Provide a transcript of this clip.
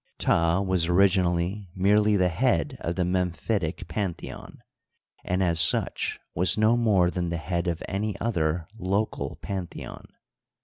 Ptah w^as originally merely the head of the Memphitic pantheon, and as such was no more than the heacl of any other local pantheon.